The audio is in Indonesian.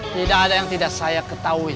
tidak ada yang tidak saya ketahui